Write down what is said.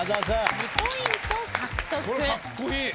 ２ポイント獲得。